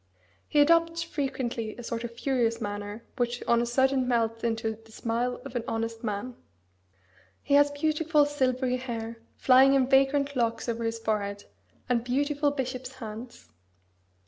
He adopts frequently a sort of furious manner which on a sudden melts into the smile of an honest man. He has beautiful silvery hair, flying in vagrant locks over his forehead, and beautiful bishop's hands.